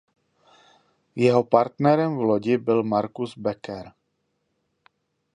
Jeho partnerem v lodi byl Marcus Becker.